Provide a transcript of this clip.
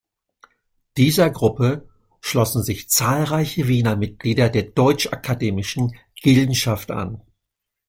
Dieser Gruppe schlossen sich zahlreiche Wiener Mitglieder der Deutsch-Akademischen Gildenschaft an.